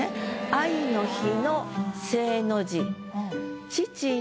「愛の日の正の字父の」